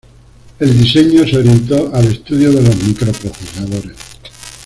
El diseño se orientó al estudio de los microprocesadores.